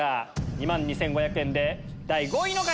２万２５００円で第５位の方！